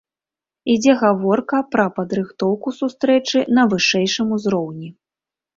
Ідзе гаворка пра падрыхтоўку сустрэчы на вышэйшым узроўні.